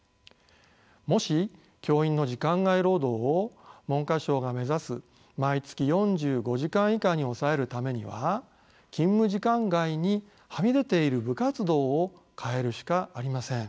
もし教員の時間外労働を文科省が目指す毎月４５時間以下に抑えるためには勤務時間外にはみ出ている部活動を変えるしかありません。